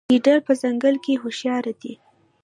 ګیدړ په ځنګل کې هوښیار دی.